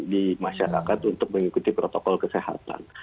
di masyarakat untuk mengikuti protokol kesehatan